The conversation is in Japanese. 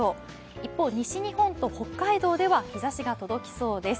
一方、西日本と北海道では日ざしが届きそうです。